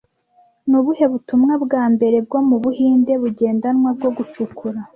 Ni ubuhe butumwa bwa mbere bwo mu Buhinde bugendanwa bwo gucukura